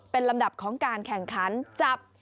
เป็นลำดับของการแข่งขันจับ